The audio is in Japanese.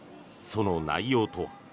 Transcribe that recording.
その内容とは。